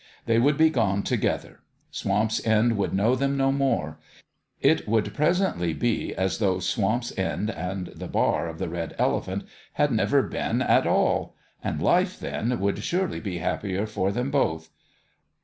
They would be gone together. Swamp's End would know them no more. It would presently be as though Swamp's End and the bar of the Red Elephant had never been at THE END OF THE GAME 317 all ; and life, then, would surely be happier for them both.